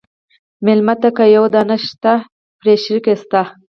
مېلمه ته که یوه دانه شته، پرې شریک شه.